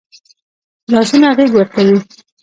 لاسونه غېږ ورکوي